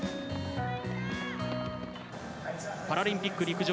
パラリンピック陸上。